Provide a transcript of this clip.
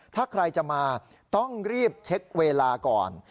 ถ้าใครจะมาต้องรีบเช็คเวลาก่อน